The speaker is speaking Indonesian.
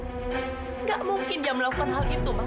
tidak mungkin dia melakukan hal itu mas